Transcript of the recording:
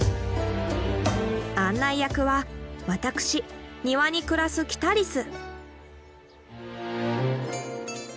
案内役は私庭に暮らすキタリス。